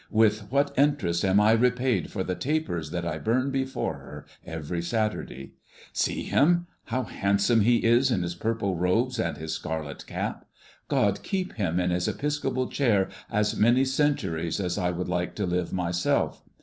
With what interest am I repaid for the tapers that I burn before her every Saturday! "See him; how handsome he is in his purple robes and his scarlet cap! God keep him in his episcopal chair as many centuries as I would like to live myself!